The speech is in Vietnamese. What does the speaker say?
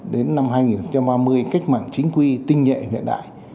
đến năm hai nghìn ba mươi cách mạng chính quy tinh nhẹ hiện đại